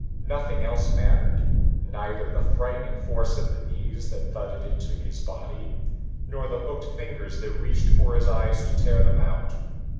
Nothing else mattered neither the frightening force of the knees that thudded into his body nor the hooked fingers that reached for his eyes to tear them out.